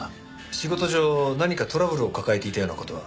仕事上何かトラブルを抱えていたような事は？